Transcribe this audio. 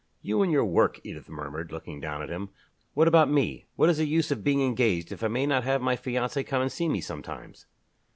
"You and your work!" Edith murmured, looking down at him. "What about me? What is the use of being engaged if I may not have my fiancé come and see me sometimes?"